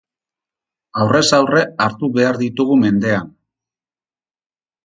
Aurrez aurre hartu behar ditugu mendean.